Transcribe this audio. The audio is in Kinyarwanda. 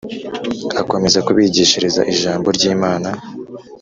Akomeza kubigishiriza ijambo ry Imana